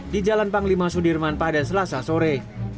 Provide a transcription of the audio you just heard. di jalan panglima sudirman pada selasa sore